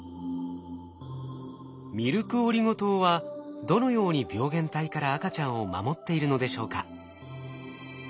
ミルクオリゴ糖はどのように病原体から赤ちゃんを守っているのでしょうか？